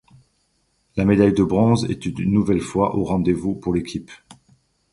La médaille de bronze est une nouvelle fois au rendez-vous pour l'équipe.